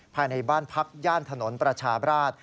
ภายในบ้านพักย่านถนนประชาบราช